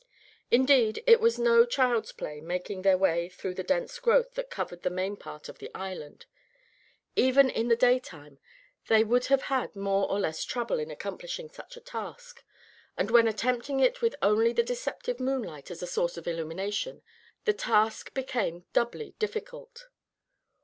Indeed, it was no child's play making their way through the dense growth that covered the main part of the island. Even in the daytime they would have had more or less trouble in accomplishing such a task; and when attempting it with only the deceptive moonlight as a source of illumination, the task became doubly difficult.